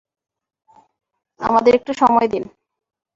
আমাদের একটু সময় দিন।